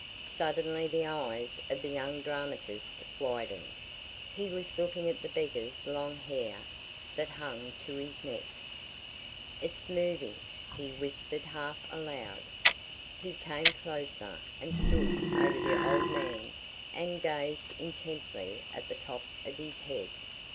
Suddenly the eyes of the young dramatist widened. He was looking at the beggar's long hair that hung to his neck. "It's moving," he whispered half aloud. He came closer and stood over the old man and gazed intently at the top of his head.